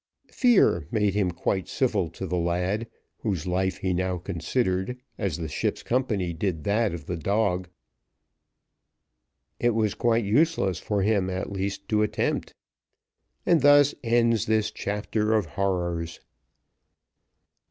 Fear made him quite civil to the lad, whose life he now considered, as the ship's company did that of the dog's, it was quite useless for him, at least, to attempt, and thus ends this chapter of horrors.